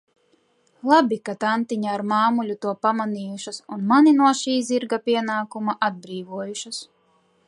Labi, ka tantiņa ar māmuļu to pamanījušas un mani no šī zirga pienākuma atbrīvojušas.